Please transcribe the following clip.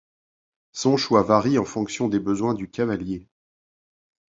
Son choix varie en fonction des besoins du cavalier.